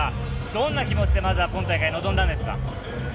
どんな気持ちでまずは大会臨んだんですか？